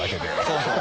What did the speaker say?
そうそう。